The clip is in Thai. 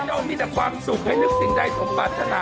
ขอให้เรามีเต๋อความสุขให้นึกสิ่งใดทุบัสนา